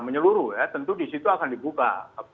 menyeluruh tentu di situ akan dibuka